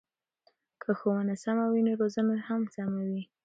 که ښوونه سمه وي نو روزنه هم سمه وي.